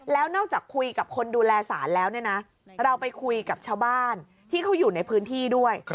แล้วนอกจากคุยกับคนดูแลสารแล้วเนี่ยนะเราไปคุยกับชาวบ้านที่เขาอยู่ในพื้นที่ด้วย